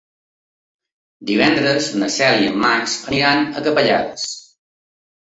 Divendres na Cel i en Max aniran a Capellades.